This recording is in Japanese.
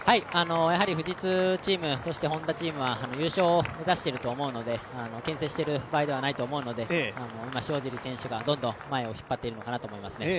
富士通チーム、Ｈｏｎｄａチームは優勝を目指していると思うので、けん制している場合ではないと思うので塩尻選手がどんどん前を引っ張っていくと思いますね。